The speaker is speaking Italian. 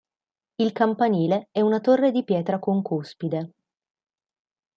Il campanile è una torre di pietra con cuspide.